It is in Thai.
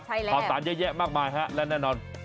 ใช่แล้วพร้อมต่างเยอะแยะมากมายฮะและแน่นอน